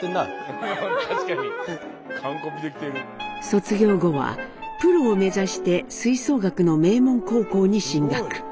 卒業後はプロを目指して吹奏楽の名門高校に進学。